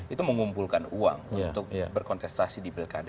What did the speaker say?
itu mengumpulkan uang untuk berkontestasi di pilkada